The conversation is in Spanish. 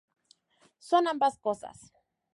Son ambas cosas.